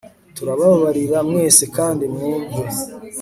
Turababarira mwese kandi mwumve